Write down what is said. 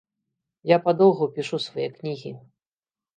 Я падоўгу пішу свае кнігі.